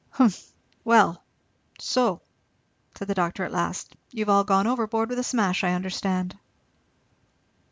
"Humph! well So!" said the doctor at last, "You've all gone overboard with a smash, I understand?"